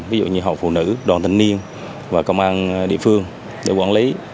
ví dụ như hội phụ nữ đoàn thanh niên và công an địa phương để quản lý